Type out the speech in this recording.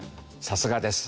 さすがです。